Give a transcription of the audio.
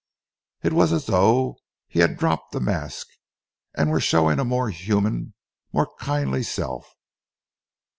It was as though he had dropped a mask and were showing a more human, a more kindly self.